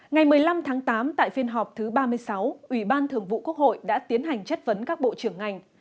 ngày một mươi năm tháng tám tại phiên họp thứ ba mươi sáu ủy ban thường vụ quốc hội đã tiến hành chất vấn các bộ trưởng ngành